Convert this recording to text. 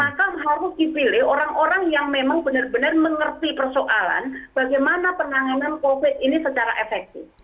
maka harus dipilih orang orang yang memang benar benar mengerti persoalan bagaimana penanganan covid ini secara efektif